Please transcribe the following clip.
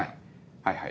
はいはい。